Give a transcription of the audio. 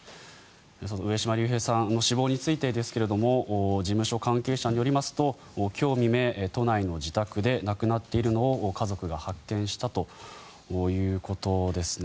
上島竜兵さんの死亡についてですが事務所関係者によりますと今日未明、都内の自宅で亡くなっているのを家族が発見したということです。